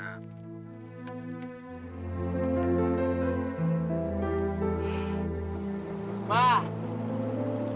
ya sudah sampai jumpa